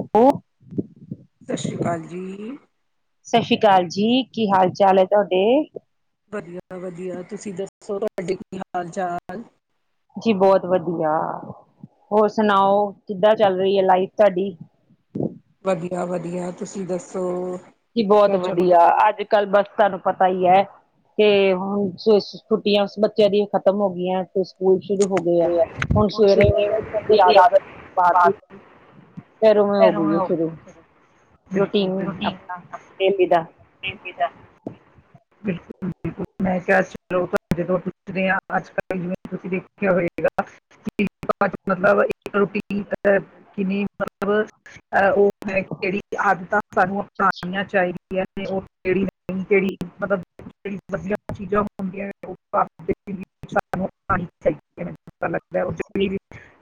ਅੱਗੋਂ ਸਤਿ ਸ਼੍ਰੀ ਅਕਾਲ ਜੀ। ਸਤਿ ਸ੍ਰੀ ਅਕਾਲ ਜੀ, ਕੀ ਹਾਲ ਚਾਲ ਹੈ ਤੁਹਾਡੇ? ਵਧੀਆ-ਵਧੀਆ, ਤੁਸੀਂ ਦੱਸੋ ਤੁਹਾਡੇ ਕੀ ਹਾਲ ਚਾਲ? ਜੀ ਬਹੁਤ ਵਧੀਆ, ਹੋਰ ਸੁਣਾਓ, ਕਿੱਦਾਂ ਚੱਲ ਰਹੀ ਹੈ ਲਾਈਫ ਤੁਹਾਡੀ? ਵਧੀਆ-ਵਧੀਆ, ਤੁਸੀਂ ਦੱਸੋ? ਕੀ ਮੈਂ ਬਹੁਤ ਕਿਹਾ ਚਲੋ ਵਧੀਆ, ਅੱਜ-ਕੱਲ੍ਹ ਬਸ ਤੁਹਾਨੂੰ ਪਤਾ ਹੀ ਹੈ। ਕੇ ਹੁਣ ਛੁੱਟੀਆਂ ਬੱਚਿਆਂ ਦੀ ਖਤਮ ਹੋ ਗਈਆਂ। ਸਕੂਲ ਸ਼ੁਰੂ ਹੋ ਗਏ ਆ, ਹੁਣ ਸਵੇਰੇ ਉੱਠਣ ਦੀ ਆਦਤ ਪਾਤੀ। ਫਿਰ ਆਉਂਦੇ ਹੋ ਗਈ ਹੈ ਸ਼ੁਰੂ। ਬਿਲਕੁਲ- ਰੂਟੀਨ [unintelligible] ਆਪਣਾ ਡੇਲੀ ਦਾ ਬਿਲਕੁਲ-ਬਿਲਕੁਲ। ਮੈਂ ਕਿਹਾ ਚਲੋ ਜਦੋਂ ਪੁੱਛਦੇ ਹਾਂ, ਅੱਜ-ਕੱਲ ਜਿਵੇਂ ਤੁਸੀਂ ਦੇਖਿਆ ਹੋਏਗਾ। ਮਤਲਬ ਇੱਕ ਰੋਟੀ ਕਿਨੀ ਮਤਲਬ ਅਹ ਉਹ ਹੈ ਜਿਹੜੀ ਆਦਤਾਂ ਸਾਨੂੰ ਕਹਾਣੀਆਂ ਚਾਹੀਦੀਆਂ, ਨੇ ਉਹ ਕਿਹੜੀ ਉਹ ਕਿਹੜੀ ਮਤਲਬ ਜਿਹੜੀ ਵਧੀਆ ਚੀਜ਼ਾਂ ਹੁੰਦੀਆਂ ਉਹ ਕਹਾਣੀ ਚਾਹੀਦੀ। ਪਤਾ ਲੱਗਦਾ ਉਹਤਾ ਪੀ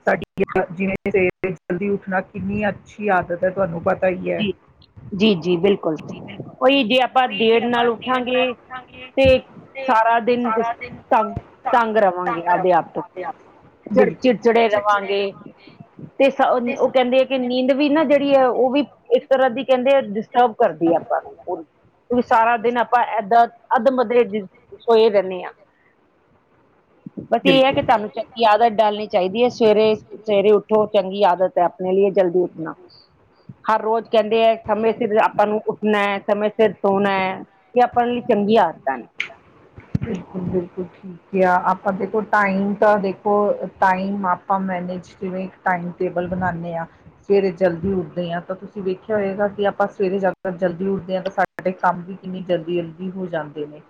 ਸਾਡੀ ਯ ਜਿਵੇਂ ਸ ਜਲਦੀ ਉੱਠਣਾ ਕਿੰਨੀ ਅੱਛੀ ਆਦਤ। ਤੁਹਾਨੂੰ ਪਤਾ ਹੀ ਹੈ ਜੀ, ਜੀ-ਜੀ ਬਿਲਕੁਲ ਉਹੀ ਜੇ ਆਪਾਂ ਬੁ ਦੇਰ ਨਾਲ ਦੇਰ ਨਾਲ ਉੱਠਾਂਗੇ ਉੱਠਾਂਗੇ ਤੇ ਤੇ ਸਾਰਾ ਦਿਨ ਸਾਰਾ ਦਿਨ ਤੰਗ ਤੰਗ ਰੱਖ ਤੇ ਅਪਣਾ ਚਿੜ-ਚਿੜਚਿੜੇ ਰਵਾਂਗੇ, ਤੇ ਸ ਉਨ ਉਹ ਕਹਿੰ ਕਹਿੰਦੇ ਆ ਕਿ ਨੀਂਦ ਵੀ ਨਾ ਜਿਹੜੀ ਹੈ, ਉਹ ਵੀ ਇਸ ਤਰ੍ਹਾਂ ਦੀ ਕਹਿੰਦੇ ਆ, ਡਿਸਟਰਬ ਕਰਦੀ ਹੈ ਆਪਾਂ ਨੂੰ। ਵੀ ਸਾਰਾ ਦਿਨ ਆਪਾਂ ਏਦਾਂ, ਅੱਧ-ਮਰੇ ਜਿਹੇ, ਸੋਏ ਰਹਿਨੇ ਆਂ। ਪਤਾ ਹੈ ਕਿ ਬਿਲਕੁਲ ਤੁਹਾਨੂੰ ਚ ਕੀ ਆਦਤ ਡਾਲਣੀ ਚਾਹੀਦੀ ਹੈ ਸਵੇਰੇ, ਸਵੇਰੇ ਉਠੋ ਚੰਗੀ ਆਦਤ ਹੈ ਆਪਣੇ ਲੀ ਜਲਦੀ ਉੱਠਣਾ ਹਰ ਰੋਜ਼ ਕਹਿੰਦੇ ਹੈ, ਸਮੇਂ ਸਿਰ ਆਪਾਂ ਨੂੰ ਉੱਠਣਾ ਹੈ ਸਮੇਂ ਸਿਰ ਸੋਣਾ। ਇਹ ਆਪਾ ਲਈ ਚੰਗੀਆਂ ਆਦਤਾਂ ਨੇ। ਬਿਲਕੁਲ, ਬਿਲਕੁਲ ਠੀਕ ਠੀਕ ਆ, ਆਪਾਂ ਦੇਖੋ ਟਾਈਮ ਤਾਂ, ਦੇਖੋ ਟਾਈਮ ਆਪਾਂ ਮੈਨੇਜ ਕਿਵੇਂ ਟਾਈਮ ਟੇਬਲ ਬਣਾਉਂਦੇ ਹਾਂ। ਸਵੇਰੇ ਜਲਦੀ ਉੱਠਦੇ ਹਾਂ, ਤਾਂ ਤੁਸੀਂ ਵੇਖਿਆ ਹੋਏਗਾ ਕਿ ਆਪਾਂ ਸਵੇਰੇ ਜ਼ਿਆਦਾ ਤਰ ਜਲਦੀ ਉੱਠਦੇ ਹਾਂ ਤਾਂ ਸਾ ਸਾਡੇ ਕੰਮ ਵੀ ਕਿੰਨੀ ਜਲਦੀ-ਜਲਦੀ ਹੋ ਜਾਂਦੇ ਨੇ,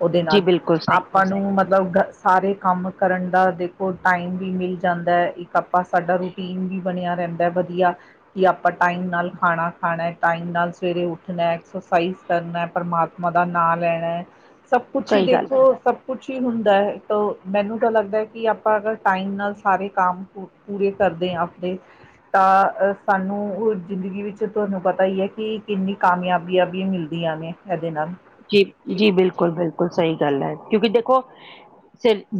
ਉਹਦੇ ਜੀ ਨਾਲ, ਬਿਲਕੁਲ ਆਪ ਸਹੀ ਆਪਾਂ ਨੂੰ ਮਤਲਬ ਸਾਰੇ ਕੰਮ ਕਰਨ ਦਾ ਦੇਖੋ ਟਾਈਮ ਵੀ ਮਿਲ ਜਾਂਦਾ, ਇਕ ਆਪਾਂ, ਸਾਡਾ ਰੂਟੀਨ ਵੀ ਬਣਿਆ ਰਹਿੰਦਾ ਹੈ ਵਧੀਆ ਕਿ ਆਪਾਂ ਟਾਈਮ ਨਾਲ ਖਾਣਾ ਖਾਣਾ, ਟਾਈਮ ਨਾਲ ਸਵੇਰੇ ਉੱਠਣਾ, ਐਕਸਰਸਾਈਜ਼ ਕਰਨਾ, ਪਰਮਾਤਮਾ ਦਾ ਨਾਂ ਲੈਣਾ, ਸਭ ਕੁਛ ਹੀ ਸਹੀ ਗੱਲ ਹੈ। ਦੇਖੋ ਸਭ ਕੁਛ ਹੀ ਹੁੰਦਾ ਹੈ, ਤੋ, ਮੈਨੂੰ ਤਾਂ ਲੱਗਦਾ ਹੈ ਕਿ ਆਪਾਂ ਅਗਰ ਟਾਈਮ ਨਾਲ ਸਾਰੇ ਕੰਮ ਪੂ ਪੂਰੇ ਕਰਦੇ ਹਾਂ ਆਪਣੇ ਤਾਂ ਸਾਨੂੰ ਉਹ ਜ਼ਿੰਦਗੀ ਵਿੱਚ ਤੁਹਾਨੂੰ ਪਤਾ ਹੀ ਹੈ, ਕਿ ਕਿੰਨੀ ਕਾਮਯਾਬੀਆਂ ਵੀ ਇਹ ਮਿਲਦੀਆਂ ਨੇ ਏਦੇ ਨਾਲ ਜੀ, ਜੀ ਬਿਲਕੁਲ-ਬਿਲਕੁਲ ਸਹੀ ਗੱਲ ਹੈ, ਕਿਉਂਕਿ ਦੇਖੋ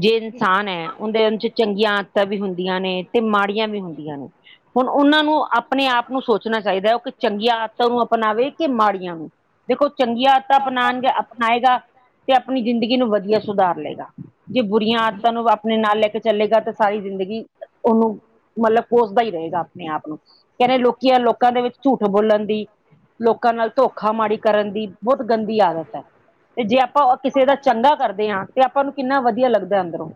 ਜੇ ਇਨਸਾਨ ਹੈ, ਉਹਦੇ ਚ ਚੰਗੀਆਂ ਆਦਤਾਂ ਵੀ ਹੁੰਦੀਆਂ ਨੇ ਤੇ ਮਾੜੀਆਂ ਵੀ ਹੁੰਦੀਆਂ ਨੇ ਹੁਣ ਉਹਨਾਂ ਨੂੰ ਆਪਣੇ ਆਪ ਨੂੰ ਸੋਚਣਾ ਚਾਹੀਦਾ ਉਹ ਕਿ ਚੰਗੀਆਂ ਆਦਤਾਂ ਨੂੰ ਅਪਣਾਵੇ ਕਿ ਮਾੜੀਆਂ ਨੂੰ ਦੇਖੋ ਚੰਗੀਆਂ ਆਦਤਾਂ ਅਪਣਾਉਣਗੇ ਅਪਣਾਏਗਾ, ਤੇ ਆਪਣੀ ਜ਼ਿੰਦਗੀ ਨੂੰ ਵਧੀਆ ਸੁਧਾਰ ਲੇ ਗਾ। ਜੇ ਬੁਰੀਆਂ ਆਦਤਾਂ ਨੂੰ ਆਪਣੇ ਨਾਲ ਲੈ ਕੇ ਚਲੇੇਗਾ ਤੇ ਸਾਰੀ ਜ਼ਿੰਦਗੀ, ਉਹਨੂੰ, ਮਤਲਬ ਕੋਸਦਾ ਹੀ ਰਹੇਗਾ ਆਪਣੇ ਆਪ ਨੂੰ ਕਹਿੰਦੇ ਲੋਕੀ ਆ ਲੋਕਾਂ ਦੇ ਵਿੱਚ ਝੂਠ ਬੋਲਣ ਦੀ, ਲੋਕਾਂ ਨਾਲ ਧੋਖਾ ਮਾੜੀ ਕਰਨ ਦੀ ਬਹੁਤ ਗੰਦੀ ਆਦਤ ਹੈ, ਤੇ ਜੇ ਆਪਾਂ ਕਿਸੇ ਦਾ ਚੰਗਾ ਕਰਦੇ ਹਾਂ ਤੇ ਆਪਾਂ ਨੂੰ ਕਿੰਨਾ ਵਧੀਆ ਲੱਗਦਾ ਅੰਦਰੋਂ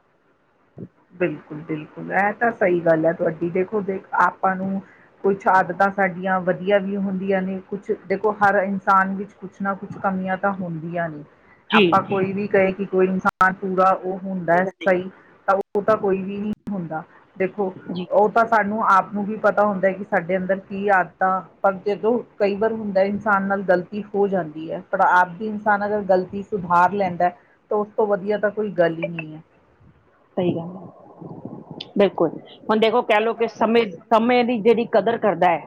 ਬਿਲਕੁਲ-ਬਿਲਕੁਲ ਇਹ ਤਾਂ ਸਹੀ ਗੱਲ ਹੈ ਤੁਹਾਡੀ, ਦੇਖੋ ਦੇਖ ਆਪਾਂ ਨੂੰ ਕੁਛ ਆਦਤਾਂ ਸਾਡੀਆਂ ਵਧੀਆ ਵੀ ਹੁੰਦੀਆਂ ਨੇ, ਕੁਛ ਦੇਖੋ ਹਰ ਇਨਸਾਨ ਵਿੱਚ ਕੁਛ ਨਾ ਕੁਛ ਕਮੀਆਂ ਤਾਂ ਹੁੰਦੀਆਂ ਨੇ, ਜੀ, ਆਪਾਂ ਕੋਈ ਵੀ ਕਹੇ ਕਿ ਕੋਈ ਇਨਸਾਨ ਪਰ ਪੂਰਾ ਉਹ ਹੁੰਦਾ ਹੈ, ਸਹੀ ਤਾਂ ਉਹ ਤਾਂ ਕੋਈ ਵੀ ਨਹੀਂ ਹੁੰਦਾ, ਦੇਖੋ, ਜੀ। ਉਹ ਤਾਂ ਸਾਡ ਉਸਨੂੰ ਆਪ ਨੂੰ ਵੀ ਪਤਾ ਹੁੰਦਾ ਕਿ ਸਾਡੇ ਅੰਦਰ ਕੀ ਆਦਤਾਂ, ਪਰ ਜਦੋਂ, ਕਈ ਵਾਰ ਹੁੰਦਾ ਇਨਸਾਨ ਨਾਲ ਗਲਤ ਗਲਤੀ ਹੋ ਜਾਂਦੀ ਹੈ, ਪਰ ਆਪਦੀ ਇਨਸਾਨ ਅਗਰ ਗਲਤੀ ਸੁਧਾਰ ਲੈਂਦਾਂ। ਤਾਂ ਉਸ ਤੋਂ ਵਧੀਆ ਤਾਂ ਕੋਈ ਗੱਲ ਹੀ ਨਹੀਂ ਹੈ। ਸਹੀ ਗੱਲ ਹੈ, ਬਿਲਕੁਲ, ਹੁਣ ਦੇਖੋ ਕਹਿ ਲਓ ਕਿ ਸਮੇਂ ਸਮਯ ਦੀ ਜਿਹੜੀ ਕਦਰ ਕਰਦਾ ਹੈ,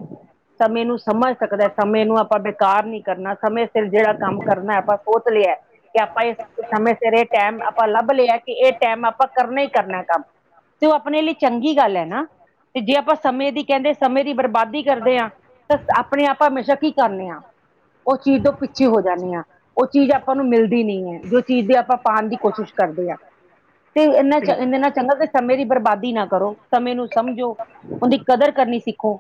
ਸਮਯ ਨੂੰ ਸਮਝ ਸਕਦਾ ਸਮਯ ਨੂੰ ਆਪਾਂ ਇਨ ਕਾਰ ਨੀ ਕਰਨਾ, ਸਮੇਂ ਸਿਰ ਜਿਹੜਾ ਕੰਮ ਕਰਨਾ ਆਪਾਂ ਸੋਚ ਲਿਆ। ਕਿ ਆਪਾਂ ਇਸ ਸਮਯ ਸਿਰ ਇਹ ਟਾਈਮ ਆਪਾਂ ਲੱਭ ਲਿਆ ਕਿ ਇਹ ਟਾਈਮ ਆਪਾਂ ਆਪਾਂ ਕਰਨਾ ਹੀ ਕਰਨਾ ਕੰਮ ਤੇ ਉਹ ਆਪਣੇ ਲਈ ਚੰਗੀ ਗੱਲ ਹੈ ਨਾ, ਤੇ ਜੇ ਆਪਾਂ ਸਮਯ ਦੀ ਕਹਿੰਦੇ ਸਮਯ ਦੀ ਬਰਬਾਦੀ ਕਰਦੇ ਹਾਂ, ਤਾਂ ਆਪਣੇ ਆਪ ਹਮੇਸ਼ਾ ਕੀ ਕਰਨੇ ਆਂ ਉਹ ਚੀਜ਼ ਤੋਂ ਪਿੱਛੇ ਹੋ ਜਾਂਣੀ ਆ ਉਹ ਚੀਜ਼ ਆਪਾਂ ਨੂੰ ਮਿਲਦੀ ਨਹੀਂ ਹੈ, ਜੋ ਚੀਜ਼ ਦੀ ਆਪਾਂ ਪਾਉਣ ਦੀ ਕੋਸ਼ਿਸ਼ ਕਰਦੇ ਹਾਂ। ਤੇ ਇੰਨਾ 'ਚ ਇੰਨੇ ਨਾਲ ਚੰਗਾ ਤੇ ਸਮਯ ਦੀ ਬਰਬਾਦੀ ਨਾ ਕਰੋ, ਸਮਯ ਨੂੰ ਸਮਝੋ, ਉਹਦੀ ਕਦਰ ਕਰਨੀ ਸਿੱਖੋ।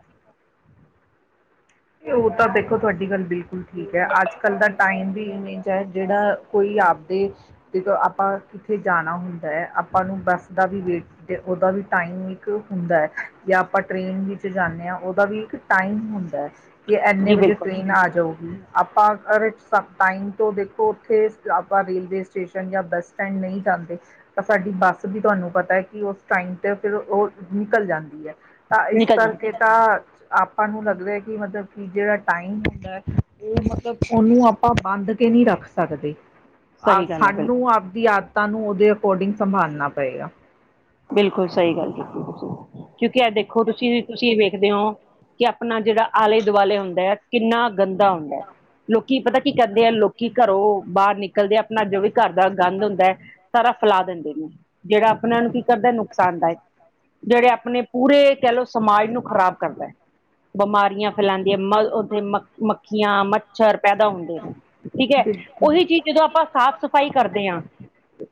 ਉਹ ਤਾਂ ਦੇਖੋ ਤੁਹਾਡੀ ਗੱਲ ਬਿਲਕੁਲ ਠੀਕ ਹੈ ਅੱਜ ਕੱਲ੍ਹ ਦਾ ਟਾਈਮ ਵੀ ਇਵੇਂ ਦਾ ਹੈ, ਜਿਹੜਾ ਕੋਈ ਆਪਦੇ, ਜਦੋਂ ਆਪਾਂ ਕਿੱਥੇ ਜਾਣਾ ਹੁੰਦਾ ਹੈ, ਆਪਾਂ ਨੂੰ ਬੱਸ ਦਾ ਵੀ ਵੇਟ ਤੇ ਉਹਦਾ ਵੀ ਟਾਈਮ ਇੱਕ ਹੁੰਦਾ, ਜਾਂ ਆਪਾਂ ਟ੍ਰਰੇਨ ਵਿੱਚ ਜਾਂਦੇ ਹਾਂ ਉਹਦਾ ਵੀ ਇੱਕ ਟਾਈਮ ਹੁੰਦਾ ਕਿ ਏਨੇ ਜੀ ਵਜੇ ਬਿਲਕੁਲ ਟ੍ਰੇਨ, ਆ ਜਾਊਗੀ ਆਪਾਂ ਅਗਰ ਸਭ ਟਾਈਮ ਤੋਂ ਦੇਖੋ ਉੱਥੇ, ਆਪਾਂ ਰੇਲਵੇ ਸਟੇਸ਼ਨ ਜਾਂ ਬੱਸ ਸਟੈਂਡ ਨਹੀਂ ਜਾਂਦੇ ਤਾਂ ਸਾਡੀ ਬੱਸ ਵੀ ਤੁਹਾਨੂੰ ਪਤਾ ਹੈ, ਕਿ ਉਸ ਟਾਈਮ ਤੇ ਫਿਰ ਉਹ ਨਿਕਲ ਜਾਂਦੀ ਹੈ। ਤਾਂ ਇਸ ਨਿਕਲ ਜਾਏ, ਕਰਕੇ ਤਾਂ ਆਪਾਂ ਨੂੰ ਲੱਗਦਾ ਕਿ ਮਤਲਬ ਕਿ ਜਿਹੜਾ ਟਾਈਮ ਹੁੰਦਾ ਹੈ, ਉਹ ਮਤਲਬ ਉਹਨੂੰ ਆਪਾਂ ਬੰਦ ਕੇ ਨਹੀ ਰੱਖ ਸਕਦੇ। ਸਹੀ ਗੱਲ ਹੈ ਬਿਲਕੁਲ ਸਾਨੂੰ ਅਪਨੀ ਆਦਤਾਂ ਨੂੰ ਉਹਦੇ ਅਕੋਰਡਿੰਗ ਸੰਭਾਲਣਾ ਪਏਗਾ। ਬਿਲਕੁਲ ਸਹੀ ਗੱਲ ਕੀਤੀ ਤੁਸੀਂ, ਕਿਉਂਕਿ ਏ ਦੇਖੋ ਤੁਸੀਂ ਵੀ ਤੁਸੀਂ ਵੇਖ ਦੇ ਹੋ, ਕਿ ਅਪਣਾ ਜਿਹੜਾ ਆਲੇ-ਦੁਆਲੇ ਹੁੰਦਾ ਏ, ਕਿੰਨਾ ਗੰਦਾ ਹੁੰਦਾ ਹੈ। ਲੋਕੀ ਪਤਾ ਕੀ ਕਰਦੇ ਆ, ਲੋਕੀ ਘਰੋਂ ਬਾਹਰ ਨਿਕਲਦੇ ਆ, ਅਪਣਾ ਜੋ ਵੀ ਘਰ ਦਾ ਗੰਦ ਹੁੰਦਾ ਏ ਸਾਰਾ ਫੈਲਾ ਦਿੰਦੇ ਨੇ, ਜਿਹੜਾ ਅਪਣਾ ਨੂੰ ਕਰਦਾ ਨੁਕਸਾਨਦਾਇਕ। ਜਿਹੜੇ ਅਪਣੇ ਪੂਰੇ ਕਹਿ ਲਓ ਸਮਾਜ ਨੂੰ ਖਰਾਬ ਕਰਦਾ ਏ। ਬਮਾਰੀਆਂ ਫੈਲਾਂਦੀਆਂ ਮਲ ਉੱਥੇ ਮੱਖੀਆਂ, ਮੱਛਰ ਪੈਦਾ ਹੁੰਦੇ। ਠੀਕ ਐ, ਉਹਦੇ ਉਹੀ ਚੀਜ਼ ਜਦੋਂ ਆਪਾਂ ਸਾਫ਼-ਸਫਾਈ ਕਰਦੇ ਹਾਂ,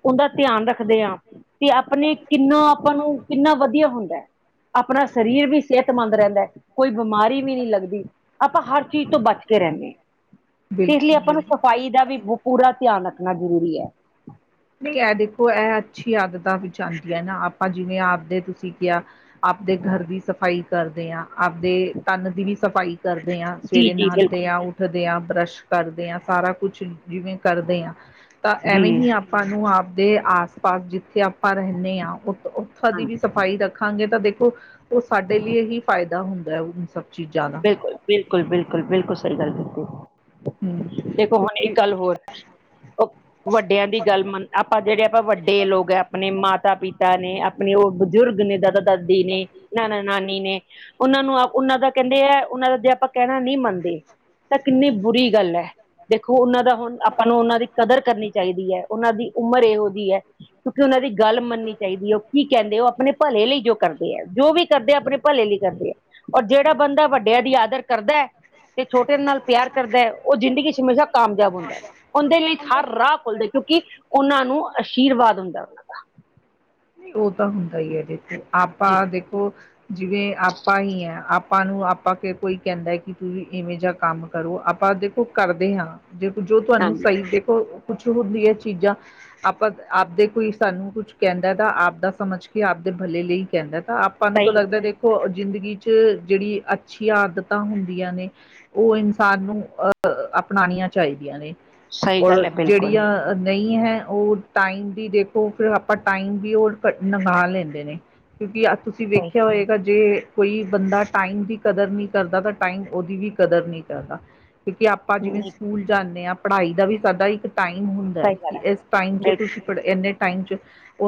ਉਂਹਦਾ ਧਿਆਨ ਰੱਖਦੇ ਹਾਂ ਤੇ ਆਪਣੇ ਕਿੰਨਾ ਆਪਾਂ ਨੂੰ, ਕਿੰਨਾ ਵਧੀਆ ਹੁੰਦਾ ਹੈ। ਆਪਣਾ ਸਰੀਰ ਵੀ ਸਿਹਤਮੰਦ ਰਹਿੰਦਾ, ਕੋਈ ਬਿਮਾਰੀ ਵੀ ਨਹੀਂ ਲੱਗਦੀ। ਆਪਾ ਹਰ ਚੀਜ਼ ਤੋਂ ਬੱਚਕੇ ਰਹਿੰਨੇ‌ ਆ। ਤੇ ਇਸ ਲਈ ਬਿਲਕੁਲ ਆਪਾਂ ਨੂੰ ਸਫ਼ਾਈ ਦਾ ਵੀ, ਪੂਰਾ ਧਿਆਨ ਰੱਖਣਾ ਜ਼ਰੂਰੀ ਹੈ। ਨਹੀਂ ਐ ਦੇਖੋ, ਐ ਅੱਛੀ ਆਦਤਾਂ ਵਿੱਚ ਆਂਦੀਆ ਨਾ ਆਪਾ ਜਿਵੇਂ ਆਪਦੇ ਤੁਸੀਂ ਕਿਹਾ ਆਪਦੇ ਘਰ ਦੀ ਸਫ਼ਾਈ ਕਰਦੇ ਆਂ ਆਪਦੇ ਤਨ ਦੀ ਵੀ ਸਫ਼ਾਈ ਕਰਦੇ ਹਾਂ। ਜੀ ਸਵੇਰੇ ਜੀ ਨਹਾਂਦੇ ਬਿਲਕੁਲ ਆਂ ਉੱਠਦੇ ਆਂ, ਬ੍ਰੱਸ਼ ਕਰਦੇ ਆਂ, ਸਾਰਾ ਕੁਛ ਜਿਵੇਂ ਕਰਦੇ ਆਂ, ਤਾਂ ਜੀ ਐਵੇਂ ਹੀ ਆਪ ਆਪਾਂ ਨੂੰ ਆਪਦੇ ਆਸ-ਪਾਸ ਜਿੱਥੇ ਆਪਾਂ ਰਹਿੰਨੇ ਆਂ ਓ, ਓਥੋਂ ਦੀ ਵੀ ਸਫ਼ਾਈ ਰੱਖ ਰਖਾਂਗੇ ਤਾਂ ਦੇਖੋ, ਉਹ ਸਾਡੇ ਲਈ ਹੀ ਫਾਇਦਾ ਹੁੰਦਾ ਹੈ, ਓਨ ਸਬ ਬਿਲਕੁਲ, ਬਿਲਕੁਲ, ਬਿਲਕੁਲ, ਬਿਲਕੁਲ ਸਹੀ ਗੱਲ ਕੀਤੀ। ਹਮ ਦੇਖੋ ਹੁਣ, ਇੱਕ ਗੱਲ ਹੋਰ ਵੱਡਿਆਂ ਦੀ ਗੱਲ ਮੰਨ ਆਪਾਂ ਜਿਹੜੇ, ਆਪਾਂ ਵੱਡੇ ਲੋਕ ਏ ਆਪਣੇ ਮਾਤਾ-ਪਿਤਾ ਨੇ ਅਪਣੇ ਉਹ ਬਜ਼ੁਰਗ ਨੇ, ਦਾਦਾ-ਦਾਦੀ ਨੇ, ਨਾਨਾ-ਨਾਨੀ ਨੇ ਉਹਨਾਂ ਨੂੰ, ਉਹਨਾਂ ਦਾ ਕਹਿੰਦੇ ਐ, ਉਹਨਾਂ ਦਾ ਜੇ ਆਪਾਂ ਕਹਿਣਾ ਨਹੀਂ ਮੰਨਦੇ, ਤਾਂ ਕਿੰਨੀ ਬੁਰੀ ਗੱਲ ਐ‌ ਦੇਖੋ ਉਹਨਾਂ ਦਾ ਹੁਣ, ਆਪਾਂ ਨੂੰ ਉਹਨਾਂ ਦੀ ਕਦਰ ਕਰਨੀ ਚਾਹੀਦੀ ਐ, ਉਹਨਾਂ ਦੀ ਉਮਰ ਇਹੋ ਦਿਹੀ ਹੈ। ਕਿਉਂਕਿ ਉਹਨਾਂ ਦੀ ਗੱਲ ਮੰਨਨੀ ਚਾਹੀਦੀ ਹੈ। ਉਹ ਕੀ ਕਹਿੰਦੇ ਏ, ਉਹ ਅਪਣੇ ਭਲੇ ਲਈ ਜੋ ਕਰਦੇ ਹੈ, ਜੋ ਵੀ ਕਰਦੇ ਆ ਅਪਣੇ ਭਲੇ ਲਈ ਕਰਦੇ ਏ, ਔਰ ਜਿਹ ਬੰਦਾ ਵੱਡਿਆਂ ਦੀ ਆਦਰ ਕਰਦੈ, ਤੇ ਛੋਟਿਆਂ ਨਾਲ ਪਿਆਰ ਕਰਦਾ, ਉਹ ਜ਼ਿੰਦਗੀ ਚ ਹਮੇਸ਼ਾ ਕਾਮਯਾਬ ਹੁੰਦਾ, ਉਂਹਦੇਂ ਲਈ ਹਰ ਰਾਹ ਖੁੱਲਦੇ, ਕਿਉਂਕਿ ਉਹਨਾਂ ਨੂੰ ਆਸ਼ੀਰਵਾਦ ਹੁੰਦਾ ਉਹਨਾਂ ਦਾ। ਉਹ ਤਾਂ ਹੁੰਦਾ ਹੀ ਹੈ ਦੇਖੋ, ਜੀ ਆਪਾ ਦੇਖੋ, ਜਿਵੇਂ ਆਪਾਂ ਹੀ ਹਾਂ ਆਪ ਆਪਾਂ ਨੂੰ, ਆਪਾਂ ਕੋਈ ਕਹਿੰਦਾ ਕਿ, ਤੁਸੀਂ ਇਵੇਂ ਜਿਹਾ ਕੰਮ ਕਰੋ ਆਪਾਂ ਦੇਖੋ ਕਰਦੇ ਹਾਂ। ਦੇਖੋ, ਜੋ ਤੁਹਾਨੂੰ ਹਾਂਜੀ ਸਹੀ ਦੇਖੋ, ਕੁਛ ਹੁੰਦੀ ਏ ਚੀਜ਼ਾਂ ਆਪਾ, ਆਪਦੇ ਕੋਈ ਸਾਨੂੰ ਕੁਛ ਕਹਿੰਦਾ ਤਾਂ ਆਪਦਾ ਸਮਝਕੇ, ਆਪਦੇ ਭਲੇ ਲਈ ਕਹਿੰਦਾ, ਤਾਂ ਆਪ ਆਪਾਂ ਨੂੰ ਸਹੀ ਤਾ ਗੱਲ ਲੱਗਦਾ ਹੈ ਦੇਖ ਜ਼ਿੰਦਗੀ'ਚ ਜਿਹੜੀ ਅੱਛੀਆ ਆਦਤਾਂ ਹੁੰਦੀਆਂ ਨੇ, ਉਹ ਇਨਸਾਨ ਨੂੰ ਅ ਅਪਣਾਣੀਆ ਚਾਹੀਦੀਆਂ ਨੇ, ਸਹੀ ਔਰ ਗੱਲ ਹੈ ਬਿਲਕੁਲ ਜਿਹੜੀਆਂ ਨਹੀਂ ਹੈ, ਉਹ ਟਾਈਮ ਦੀ ਦੇਖੋ, ਫਿਰ ਆਪਾ ਟਾਈਮ ਵੀ ਉਹ ਨ੍ਹੰਗਾ ਲੈਂਦੇ ਨੇ। ਕਿਉਂਕੀ, ਆਜ ਤੁਸੀਂ ਸਹੀ ਵੇਖਿਆ ਹੋਇਗਾ ਜੇ ਕੋਈ ਬੰਦਾ ਟਾਈਮ ਦੀ ਕਦਰ ਨਹੀਂ ਕਰਦਾ, ਤਾਂ ਟਾਈਮ ਉਹਦੀ ਵੀ ਕਦਰ ਨਹੀਂ ਕਰਦਾ। ਕਿਉਂਕਿ ਆਪ ਆਪਾ ਜਿਵੇਂ ਸਕੂਲ ਜਾਂਨੇ ਆ, ਪੜ੍ਹਾਈ ਦਾ ਵੀ ਸਾਡਾ ਇੱਕ ਟਾਈਮ ਹੁੰਦਾ, ਸਹੀ ਗੱਲ ਕਿ ਹੈ ਇਸ ਟਾਈਮ'ਚ ਬਿਲਕੁਲ ਤੁਸੀ ਇੰਨੇ ਟਾਈਮ'ਚ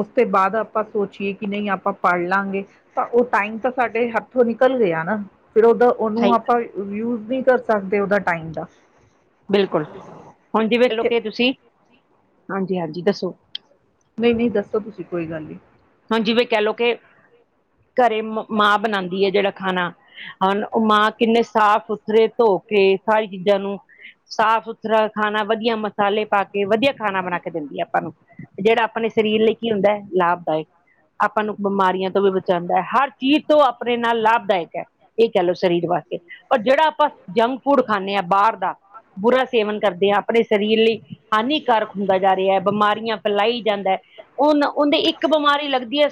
ਉਸ ਤੇ ਬਾਦ ਆਪਾਂ ਸੋਚੀਏ, ਕਿ ਨਹੀ ਆਪਾਂ ਪੜ੍ਹਲਾਂਗੇ ਤਾ ਉਹ ਟਾਈਮ ਤਾਂ ਸਾਡੇ ਹੱਥੋਂ ਨਿਕਲ ਗਿਆ ਨਾ, ਫਿਰ ਉਦੋ ਉਹਨੂੰ ਸਹੀ ਗੱਲ ਆਪਾਂ ਯੂਜ ਨਹੀਂ ਕਰ ਸਕਦੇ, ਓਹਦਾ ਟਾਈਮ ਦਾ। ਬਿਲਕੁਲ ਹੁਣ ਜਿਵੇਂ ਲੋ ਕਿ ਤੁਸੀਂ, ਹਾਂਜੀ-ਹਾਂਜੀ ਦੱਸੋ। ਨਹੀਂ ਨਹੀਂ, ਦੱਸੋ ਤੁਸੀਂ ਕੋਈ ਗੱਲ ਨਹੀਂ। ਹੁਣ ਜਿਵੇਂ ਕਹਿਲੋ ਕਿ, ਘਰੇ ਮਾਂ ਬਣਾਂਦੀ ਏ, ਜਿਹੜਾ ਖਾਣਾ ਹੁਨ, ਮਾਂ, ਕਿੰਨੇ ਸਾਫ਼-ਸੁਥਰੇ ਧੋਕੇ ਸਾਰੀ ਚੀਜ਼ਾਂ ਨੂੰ ਸਾਫ਼-ਸੁਥਰਾ ਖਾਣਾ ਵਧੀਆ ਮਸਾਲੇ ਪਾਕੇ ਵਧੀਆ ਖਾਣਾ ਬਣਾਕੇ ਦਿੰਦੀ ਹੈ ਆਪਾਂ ਨੂੰ, ਜਿਹੜਾ ਆਪਣੇ ਸਰੀਰ ਲਈ ਕੀ ਹੁੰਦਾ ਹੈ, ਲਾਭਦਾਇਕ। ਆਪਾਂ ਨੂੰ ਬਿਮਾਰੀਆਂ ਤੋਂ ਵੀ ਬਚਾਂਦਾ ਹੈ, ਹਰ ਚੀਜ਼ ਤੋਂ ਆਪਣੇ ਨਾਲ ਲਾਭਦਾਇਕ ਹੈ। ਇਹ ਕਹਿ ਲਓ ਸਰੀਰ ਵਾਸਤੇ ਪਰ, ਜਿਹੜਾ ਆਪਾਂ ਜੰਕ ਫੂਡ ਖਾਂਨੇ ਆਂ ਬਾਹਰ ਦਾ, ਬੁਰਾ ਸੇਵਨ ਕਰਦੇ ਹਾਂ, ਆਪਣੇ ਸਰੀਰ ਲਈ ਹਾਨੀਕਾਰਕ ਹੁੰਦਾ ਜਾ ਰਿਹਾ, ਬਿਮਾਰੀਆਂ ਫੈਲਾਈ ਜਾਂਦਾ, ਉਹਨ ਉਹਦੇ ਇੱਕ ਬਿਮਾਰੀ। ਲੱਗਦੀ ਹੈ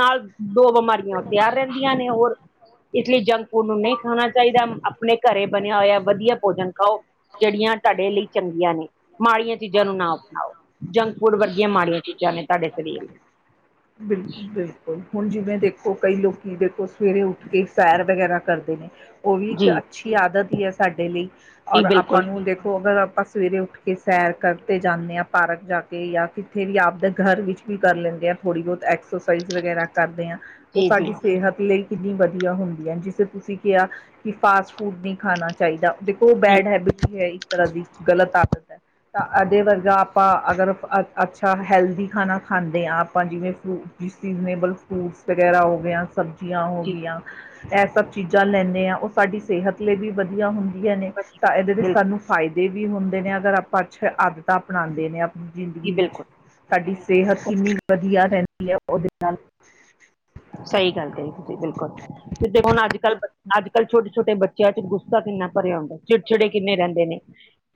ਨਾਲ ਦੋ ਬਿਮਾਰੀਆਂ ਤਿਆਰ ਰਹਿੰਦੀਆਂ ਨੇ ਹੋਰ। ਇਸ ਲਈ ਜੰਕ ਫੂਡ ਨੂੰ ਨਹੀਂ ਖਾਣਾ ਚਾਹੀਦਾ, ਆਪਣੇ ਘਰੇ ਬਣਿਆ ਹੋਇਆ ਵਧੀਆ ਭੋਜਨ ਖਾਓ, ਜਿਹੜੀਆਂ ਤੁਹਾਡੇ ਲਈ ਚੰਗੀਆਂ ਨੇ, ਮਾੜੀਆਂ ਚੀਜ਼ਾਂ ਨੂੰ ਨਾ ਅਪਣਾਓ, ਜੰਕ ਫੂੱਡ ਵਰਗੀਆਂ ਮਾੜੀਆਂ ਚੀਜ਼ਾਂ ਨੇ ਤੁਹਾਡੇ ਸਰੀਰ ਨੇ। ਬਿਲਕੁਲ-ਬਿਲਕੁਲ, ਹੁਣ ਜਿਵੇਂ ਦੇਖੋ ਕਈ ਲੋਕੀ ਦੇਖੋ ਸਵੇਰੇ ਉੱਠ ਕੇ, ਸੈਰ ਵਗੈਰਾ। ਕਰਦੇ ਨੇ ਉਹ ਵੀ ਇੱਕ ਜੀ ਅੱਛੀ ਆਦਤ ਹੀ ਸਾਡੇ ਲਈ ਜੀ ਔਰ ਬਿਲਕੁਲ ਆਪਾਂ ਨੂੰ ਦੇਖੋ ਅਗਰ ਆਪਾਂ, ਸਵੇਰੇ ਉੱਠ ਕੇ ਸੈਰ ਕਰਦੇ ਜਾਂਦੇ ਹਾਂ, ਪਾਰਕ ਜਾ ਕੇ, ਜਾਂ ਕਿਥੇ ਵੀ ਆਪਦੇ ਘਰ ਵਿੱਚ, ਵੀ ਕਰ ਲੈਂਦੇ ਹਾਂ ਥੋੜ੍ਹੀ ਬਹੁਤ ਐਕਸਰਸਾਈਜ਼ ਵਗੈਰਾ ਕਰਦੇ ਹਾਂ। ਉਹ ਜੀ ਜੀ ਸਾਡੀ ਸਿਹਤ ਲਈ ਕਿੰਨੀ ਵਧੀਆ ਹੁੰਦੀ ਹੈ, ਜਿਸੇ ਤੁਸੀਂ ਕਿਹਾ ਕਿ ਫਾਸਟ ਫੂਡ ਨਹੀਂ ਖਾਣਾ ਚਾਹੀਦਾ, ਦੇਖੋ ਜੀ ਬੈਡ ਹੈਬਿਟ, ਹੈ ਇੱਕ ਤਰ੍ਹਾਂ ਦੀ, ਗ਼ਲਤ ਆਦਤ ਹੈ। ਤਾਂ ਇਹਦੇ ਵਰਗਾ ਆਪਾਂ ਅਗਰ ਅ ਅੱਛਾ ਹੈਲਦੀ ਖਾਣਾ ਖਾਂਦੇ ਹਾਂ ਆਪਾਂ ਜਿਵੇਂ ਫਰੂਟ। ਜ ਸੀਜ਼ਨੇਬਲ ਫਰੂਟਸ ਵਗੈਰਾ ਹੋ ਗਿਆ ਸਬਜ਼ੀਆਂ ਹੋ ਜੀ ਗਈਆਂ ਐਸਾ। ਲੈਂਦੇ ਹਾਂ, ਉਹ ਸਾਡੀ ਸਿਹਤ ਲਈ ਵੀ ਵਧੀਆ ਹੁੰਦੀਆਂ ਨੇ, ਤਾਂ ਇਹਦੇ ਵਿੱਚ ਬਿਲਕੁਲ ਸਾਨੂੰ ਫਾਇਦੇ ਵੀ ਹੁੰਦੇ ਨੇ ਅਗਰ ਆਪਾਂ ਅਛੇ ਆਦਤ ਅਪਣਾਉਂਦੇ ਨੇ ਆਪਾਂ। ਜੀ ਜ਼ਿੰਦਗੀ ਵਿੱਚ ਬਿਲਕੁਲ ਸਾਡੀ ਸਿਹਤ ਕਿੰਨੀ ਵਧੀਆ ਰਹਿੰਦੀ ਹੈ। ਉਹਦੇ ਨਾਲ, ਸਹੀ ਗੱਲ ਤੇ ਜੀ, ਬਿਲਕੁਲ, ਕਿਤੇ ਹੁਣ ਅੱਜ- ਕੱਲ, ਅੱਜ- ਕੱਲ੍ਹ ਛੋਟੇ ਛੋਟੇ ਬੱਚਿਆਂ ਚ ਗੁੱਸਾ ਕਿੰਨਾ ਭਰਿਆ ਹੁੰਦਾ। ਚਿੜਚਿੜੇ ਕਿੰਨੇ ਰਹਿੰਦੇ ਨੇ,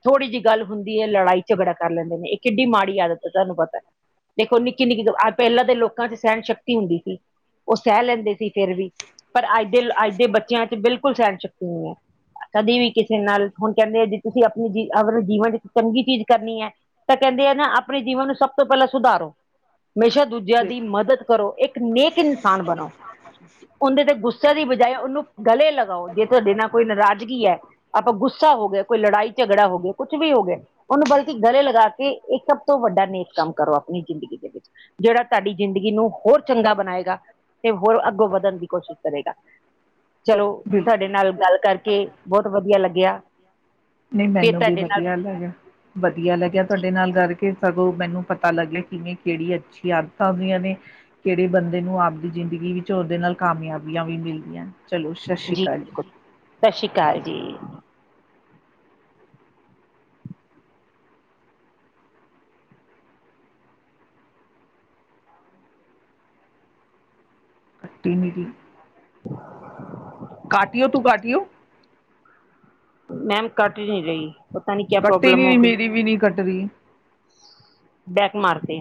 ਥੋੜ੍ਹੀ ਜਿਹੀ ਗੱਲ ਹੁੰਦੀ ਹੈ, ਲੜਾਈ ਝਗੜਾ ਕਰ ਲੈਂਦੇ ਨੇ ਇਹ ਕਿੱਡੀ ਮਾੜੀ ਆਦਤ ਹੈ, ਤੁਹਾਨੂੰ ਪਤਾ। ਦੇਖੋ ਨਿੱਕੀ- ਨਿੱਕੀ, ਪਹਿਲਾਂ ਦੇ ਲੋਕਾਂ ਚ ਸਹਿਣ ਸ਼ਕਤੀ ਹੁੰਦੀ ਸੀ। ਉਹ ਸਹਿ ਲੈਂਦੇ ਸੀ ਫਿਰ ਵੀ, ਪਰ ਅੱਜ ਦੇ, ਅੱਜ ਦੇ ਬੱਚਿਆਂ ਚ ਬਿਲਕੁਲ ਸਹਿਣ- ਸ਼ਕਤੀ ਨਹੀਂ ਹੈ। ਕਦੇ ਵੀ ਕਿਸੇ ਨਾਲ ਹੁਣ ਕਹਿੰਦੇ ਆ ਜੇ ਤੁਸੀਂ ਆਪਣੀ ਜ ਜੀਵਨ ਚ ਚੰਗੀ ਚੀਜ਼ ਕਰਨੀ ਹੈ। ਤਾਂ ਕਹਿੰਦੇ ਆ ਨਾ ਆਪਣੇ ਜੀਵਨ ਨੂੰ ਸਭ ਤੋਂ ਪਹਿਲਾਂ ਸੁਧਾਰੋ, ਹਮੇਸ਼ਾ ਦੂਜਿਆਂ ਦੀ ਮਦਦ ਕਰੋ ਇੱਕ, ਇਕ ਨੇਕ ਇਨਸਾਨ ਬਣੋ, ਉਹਦੇ ਦੇ ਗੁੱਸੇ ਦੀ ਬਜਾਏ, ਉਹਨੂੰ ਗਲੇ ਲਗਾਓ ਜੇ ਤੁਹਾਡੇ ਨਾਲ ਕੋਈ ਨਾਰਾਜ਼ਗੀ ਹੈ। ਆਪਾਂ ਗੁੱਸਾ ਹੋ ਗਿਆ, ਕੋਈ ਲੜਾਈ ਝਗੜਾ ਹੋ ਗਿਆ, ਕੁੱਛ ਵੀ ਹੋ ਗਿਆ‌। ਉਹਨੂੰ ਬਲਕਿ ਗਲੇ ਲਗਾ ਕੇ, ਇੱਕ ਸਭ ਤੋਂ ਵੱਡਾ ਨੇਕ ਕੰਮ ਕਰੋ, ਆਪਣੀ ਜ਼ਿੰਦਗੀ ਦੇ ਵਿੱਚ ਜਿਹੜਾ ਤੁਹਾਡੀ ਜ਼ਿੰਗੀ, ਦਾ ਤੇ ਹੋਰ ਅੱਗੋਂ ਵਧਣ ਦੀ ਕੋਸ਼ਿਸ਼ ਕਰੇਗਾ। ਚਲੋ ਬਿਲਕੁਲ ਤੁਹਾਡੇ ਨਾਲ ਗੱਲ ਕਰਕੇ ਬਹੁਤ ਵਧੀਆ ਲੱਗਿਆ। ਨਹੀਂ ਫਿਰ ਮੈਨੂੰ ਵੀ ਤੁਹਾਡੇ ਨਾਲ ਵਧੀਆ ਲੱਗਾ। ਵਧੀਆ ਲੱਗਿਆ ਜੀ ਤੁਹਾਡੇ ਨਾਲ ਕਰਕੇ, ਸਗੋਂ ਮੈਨੂੰ ਪਤਾ ਲੱਗਿਆ ਕਿਵੇਂ ਕਿਹੜੀ ਅੱਛੀ ਆਦਤਾਂ ਹੁੰਦੀਆਂ ਨੇ ਕਿਹੜੇ ਬੰਦੇ ਨੂੰ ਆਪਦੀ ਜ਼ਿੰਦਗੀ ਵਿੱਚ ਉਹਦੇ ਨਾਲ ਕਾਮਯਾਬੀਆਂ ਵੀ ਮਿਲਦੀਆਂ, ਚਲੋ ਸਤਿ ਸ੍ਰੀ ਅਕਾਲ ਜੀ। ਸਤਿ ਸ਼੍ਰੀ ਅਕਾਲ ਜੀ। ਕਾਟੀਓ ਤੂੰ ਕਾਟੀਓ ਮੈਮ ਕੱਟ ਹੀ ਨਹੀਂ ਰਹੀ, ਪਤਾ ਨੀ ਕਿਆ ਪ੍ਰੋਬਲਮ ਹੋ ਗਈ ਇਹ ਵੀ ਨਹੀ ਕੱਟ ਰਹੀ ਬੈਕ ਮਾਰਤੇ